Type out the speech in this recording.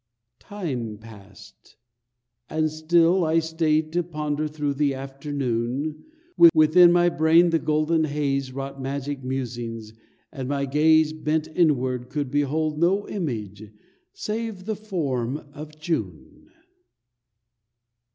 Time passed, and still I stayed to ponder Through the afternoon, Within my brain the golden haze Wrought magic musings, and my gaze Bent inward could behold no image Save the form of June.